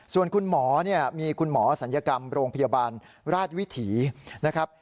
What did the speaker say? ส่วนคุณหมอเนี่ยมีคุณหมอศัลยกรรมโรงพยาบาลราชวิถีนะครับ